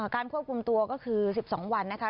ควบคุมตัวก็คือ๑๒วันนะคะ